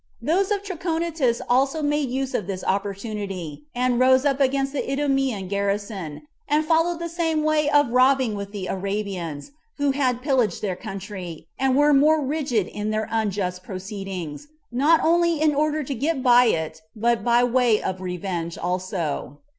Those of Trachonitis also made use of this opportunity, and rose up against the Idumean garrison, and followed the same way of robbing with the Arabians, who had pillaged their country, and were more rigid in their unjust proceedings, not only in order to get by it, but by way of revenge also.